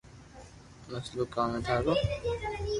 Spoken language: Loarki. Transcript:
مسلو ڪاو ھي ٿارو